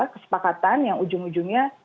kesepakatan yang ujung ujungnya